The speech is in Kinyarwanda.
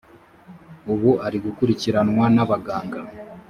ubu ari gukurikiranwa n’abaganga